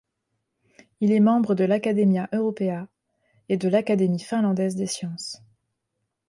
Il est membre de l'Academia Europaea et de l'Académie finlandaise des sciences.